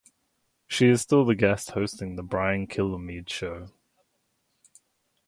She is still guest hosting the Brian Kilmeade Show.